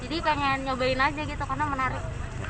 jadi pengen nyobain aja gitu karena menarik